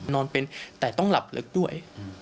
นอนเป็นแต่ต้องหลับลึกด้วย